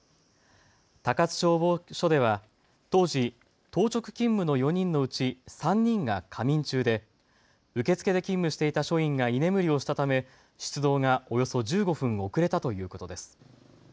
高津消防署では当時、当直勤務の４人のうち３人が仮眠中で受付で勤務していた署員が居眠りをしたため出動がおよそ１５分遅れたということです。